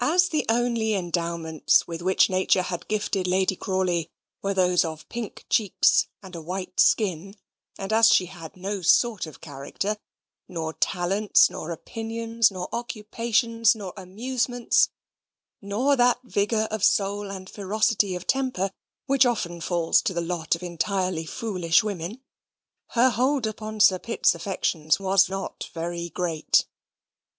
As the only endowments with which Nature had gifted Lady Crawley were those of pink cheeks and a white skin, and as she had no sort of character, nor talents, nor opinions, nor occupations, nor amusements, nor that vigour of soul and ferocity of temper which often falls to the lot of entirely foolish women, her hold upon Sir Pitt's affections was not very great.